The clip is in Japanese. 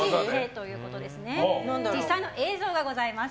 実際の映像がございます。